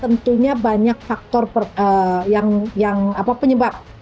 tentunya banyak faktor yang penyebab